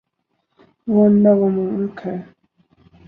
Rwanda وہ ملک ہے۔